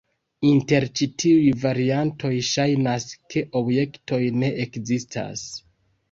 Inter ĉi tiuj variantoj ŝajnas ke objektoj ne ekzistas.